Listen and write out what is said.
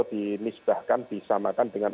dinisbahkan disamakan dengan